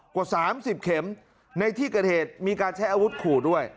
กว่า๓๐เข็มในที่เกิดเหตุมีการใช้อาวุธขู่ด้วย